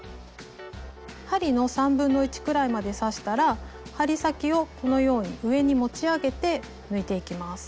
針の1/3くらいまで刺したら針先をこのように上に持ち上げて抜いていきます。